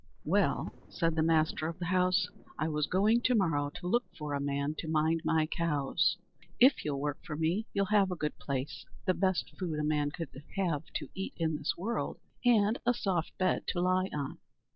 "Well," said the master of the house, "I was going to morrow to look for a man to mind my cows. If you'll work for me, you'll have a good place, the best food a man could have to eat in this world, and a soft bed to lie on."